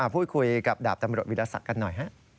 พูดคุยกับดาบตำรวจวิรสักกันหน่อย